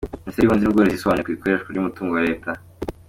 Minisiteri yubuhinzi nubworozi yisobanuye ku ikoreshwa ry’umutungo wa Leta